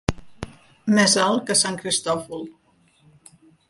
Més alt que sant Cristòfol.